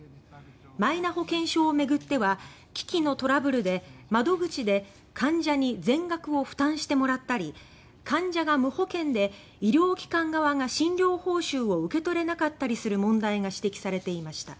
マイナ保険証を巡っては機器のトラブルで窓口で患者に全額を負担してもらったり患者が無保険で医療機関側が診療報酬を受け取れなかったりする問題が指摘されていました。